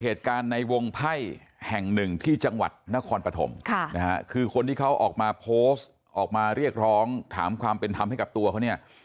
เหตุการณ์ในวงไพ่แห่งหนึ่งที่จังหวัดนครปฐมค่ะนะฮะคือคนที่เขาออกมาโพสต์ออกมาเรียกร้องถามความเป็นธรรมให้กับตัวเขาเนี่ย